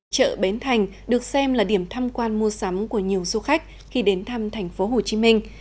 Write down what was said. chợ bến thành được xem là điểm tham quan mua sắm của nhiều du khách khi đến thăm thành phố hồ chí minh